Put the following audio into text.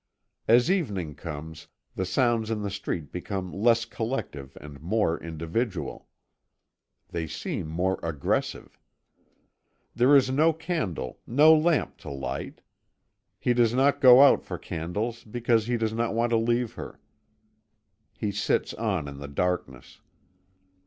As evening comes, the sounds in the street become less collective and more individual. They seem more aggressive. There is no candle, no lamp to light. He does not go out for candles because he does not want to leave her. He sits on in the darkness.